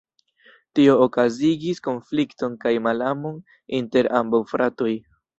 Tio okazigis konflikton kaj malamon inter ambaŭ fratoj.